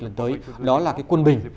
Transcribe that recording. lần tới đó là cái quân bình